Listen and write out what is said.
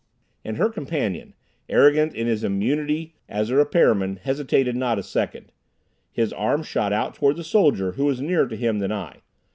And her companion, arrogant in his immunity as a repair man, hesitated not a second. His arm shot out toward the soldier, who was nearer to him than I.